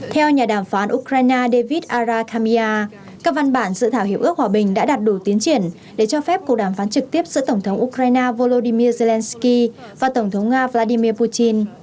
theo nhà đàm phán ukraine david ara kamya các văn bản dự thảo hiệp ước hòa bình đã đạt đủ tiến triển để cho phép cuộc đàm phán trực tiếp giữa tổng thống ukraine volodymyr zelensky và tổng thống nga vladimir putin